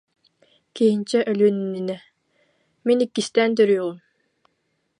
Киһинчэ өлүөн иннинэ: «Мин иккистээн төрүөҕүм»